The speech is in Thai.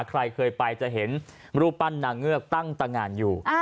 ใครเคยไปจะเห็นรูปปั้นนางเงือกตั้งตะงานอยู่